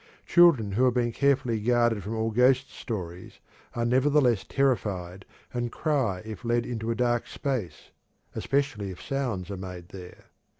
Children who have been carefully guarded from all ghost stories are nevertheless terrified and cry if led into a dark place, especially if sounds are made there.